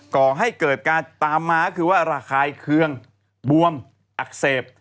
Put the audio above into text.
ก่อให้เกิดการตามมาก็คือว่าระคายเคืองบวมอักเสบ